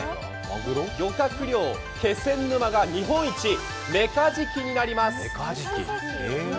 漁獲量、気仙沼が日本一、メカジキになります。